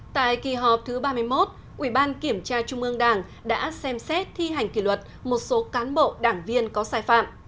tại kỳ họp thứ ba mươi một ủy ban kiểm tra trung ương đảng đã xem xét thi hành kỷ luật một số cán bộ đảng viên có sai phạm